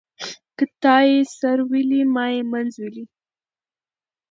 ـ که تا يې سر ويلى ما يې منځ ويلى.